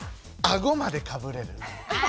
あごまでかぶれる。